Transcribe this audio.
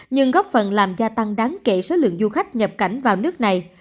nhưng góp phần làm gia tăng đáng kể số lượng du khách nhập cảnh vào nước này